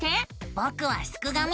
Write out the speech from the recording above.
ぼくはすくがミ。